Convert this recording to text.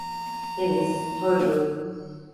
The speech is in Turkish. Temiz, soylu.